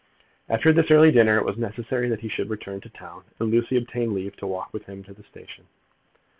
After this early dinner it was necessary that he should return to town, and Lucy obtained leave to walk with him to the station.